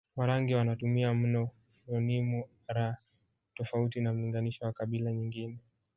Warangi wanatumia mno fonimu r tofauti na mlinganisho wa kabila nyingine